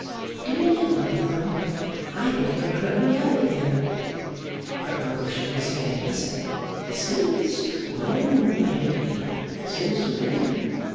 'Do you know, uncle, I think you are growing young again?' Her uncle shook his head and said, 'Since when, my dear; since when?